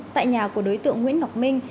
tại nhà của đối tượng nguyễn ngọc minh